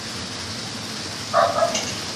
一部分电动列车以此站为起终点。